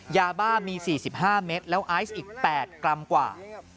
ยาบ้ามี๔๕เมตรแล้วไอซ์อีก๘กรัมกว่า